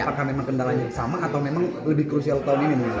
apakah memang kendalanya sama atau memang lebih krusial tahun ini menurut anda